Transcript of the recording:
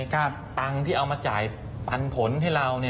ตังค์ที่เอามาจ่ายปันผลให้เรา